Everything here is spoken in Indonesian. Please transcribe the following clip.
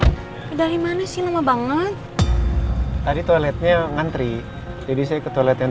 hai maaf lama ya dari mana sih lama banget tadi toiletnya ngantri jadi saya ke toilet yang